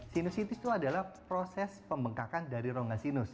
sinusitis itu adalah proses pembengkakan dari rongasi